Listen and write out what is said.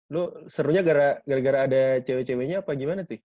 lo serunya gara gara ada cewek ceweknya apa gimana tuh